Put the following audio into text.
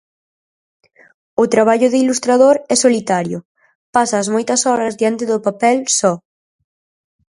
O traballo de ilustrador é solitario, pasas moitas horas diante do papel, só.